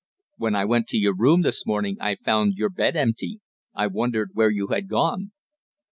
"When I went to your room this morning I found your bed empty. I wondered where you had gone."